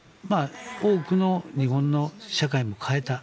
多くの日本の社会を変えた。